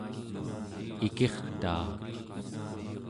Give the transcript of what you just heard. ikirtaa